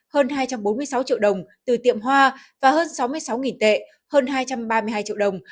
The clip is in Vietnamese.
hơn hai trăm bốn mươi sáu triệu đồng từ tiệm hoa và hơn sáu mươi sáu tệ hơn hai trăm ba mươi hai triệu đồng